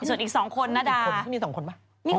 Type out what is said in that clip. ส่วนอีก๒คนนะด่าผมที่มี๒คนป่ะ